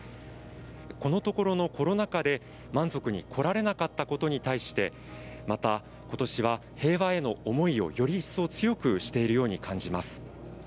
このところのコロナ禍で満足に来られなかったことに対してまた今年は平和への思いをより一層強くしているように感じます。